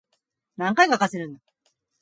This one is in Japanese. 何回かかせるんだ